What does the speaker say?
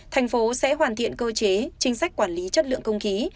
thành phố sẽ hoàn thiện cơ chế chính sách quản lý chất lượng không khí